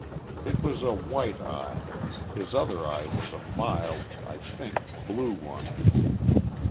It was a white eye ; ins other eye was a mild, I think, blue one.